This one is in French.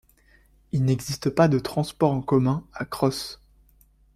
Il n'existe pas de transports en commun à Croce.